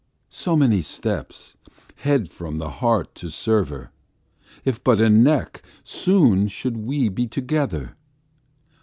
So many steps, head from the heart to sever, If but a neck, soon should we be together.